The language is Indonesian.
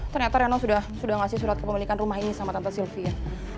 ternyata reno sudah ngasih surat kepemilikan rumah ini sama tante sylvia